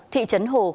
thị trấn hồ